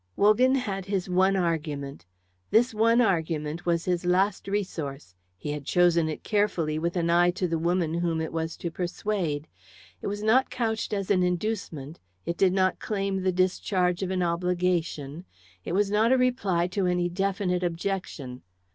Wogan had his one argument. This one argument was his last resource. He had chosen it carefully with an eye to the woman whom it was to persuade. It was not couched as an inducement; it did not claim the discharge of an obligation; it was not a reply to any definite objection.